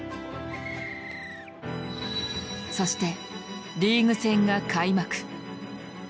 そしてリーグ戦が開幕。